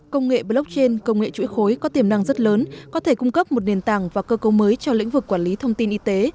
công nghệ blockchain công nghệ chuỗi khối có tiềm năng rất lớn có thể cung cấp một nền tảng và cơ cấu mới cho lĩnh vực quản lý thông tin y tế